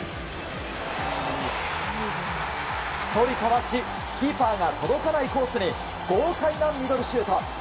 １人かわしキーパーが届かないコースに豪快なミドルシュート。